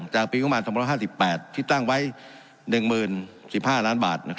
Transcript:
จากปีประมาณ๒๕๘ที่ตั้งไว้๑๐๑๕ล้านบาท